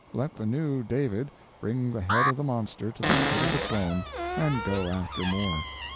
Let the new David bring the head of the monster to the foot of the throne, and go after more.